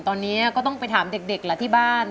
ตอนนี้ก็ต้องไปถามเด็กแหละที่บ้าน